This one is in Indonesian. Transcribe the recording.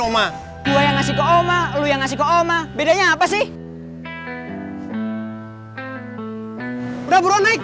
oma gue ngasih ke oma lu yang ngasih ke oma bedanya apa sih udah buruan naik